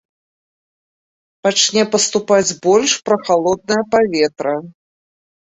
Пачне паступаць больш прахалоднае паветра.